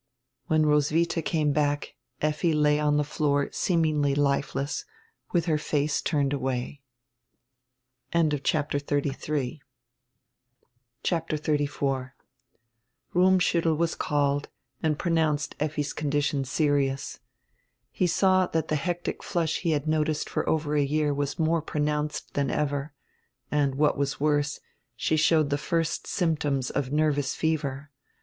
When Roswidia came back Effi lay on die floor seemingly lifeless, widi her face turned away. CHAPTER XXXIV RUMMSCHUTTEL was called and pronounced Effi's con dition serions. He saw that die hectic flush he had noticed for over a year was more pronounced than ever, and, what was worse, she showed the first symptoms of nervous fever.